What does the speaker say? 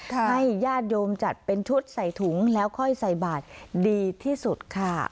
ให้ญาติโยมจัดเป็นชุดใส่ถุงแล้วค่อยใส่บาทดีที่สุดค่ะ